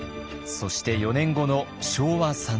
そして４年後の昭和３年。